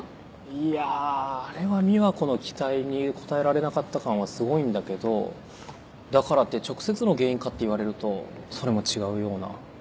いやあれは美和子の期待に応えられなかった感はすごいんだけどだからって直接の原因かって言われるとそれも違うような。